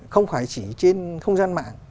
không phải chỉ trên không gian mạng